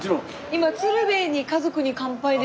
今「鶴瓶の家族に乾杯」で。